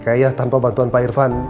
kayaknya tanpa bantuan pak irvan